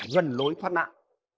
gần lối thoát nạn